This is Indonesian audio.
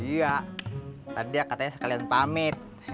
iya tadi ya katanya sekalian pamit